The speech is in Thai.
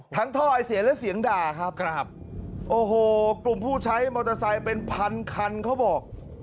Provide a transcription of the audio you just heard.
ท่อไอเสียและเสียงด่าครับครับโอ้โหกลุ่มผู้ใช้มอเตอร์ไซค์เป็นพันคันเขาบอก